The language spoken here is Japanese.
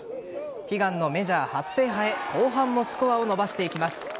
悲願のメジャー初制覇へ後半もスコアを伸ばしていきます。